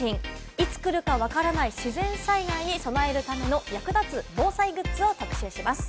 いつ来るかわからない自然災害に備えるための役立つ防災グッズを特集します。